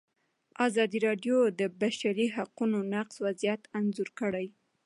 ازادي راډیو د د بشري حقونو نقض وضعیت انځور کړی.